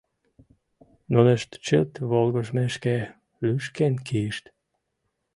Нунышт чылт волгыжмешке лӱшкен кийышт.